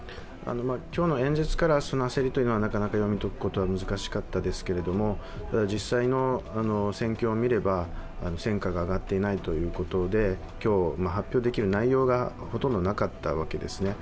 今日の演説からその焦りを読み解くことは難しかったですけど実際の戦況をみれば、戦果が上がっていないということで、今日発表できる内容がほとんどなかったわけですね。